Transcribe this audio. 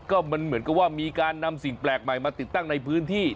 ก็มันเหมือนกับว่ามีการนำสิ่งแปลกใหม่มาติดตั้งในพื้นที่